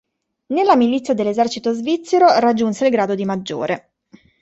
Nella milizia dell'esercito svizzero, raggiunse il grado di maggiore.